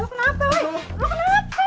gausah pake ngiri dua an gitu